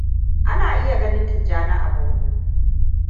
Ana iya ganin Tijjani a bango.